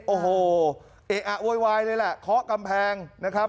โอ้โหเอะอะโวยวายเลยแหละเคาะกำแพงนะครับ